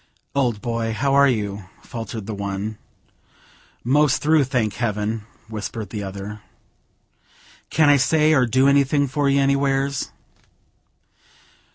"Old boy, how are you?" faltered the one. "Most through, thank heaven!" whispered the other. "Can I say or do anything for you anywheres?"